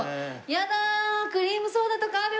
やだクリームソーダとかある！